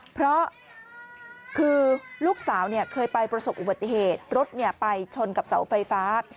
เพราะคือลูกสาวเคยไปประสบอุบัติเหตุรถไปชนกับเสาไฟฟ้า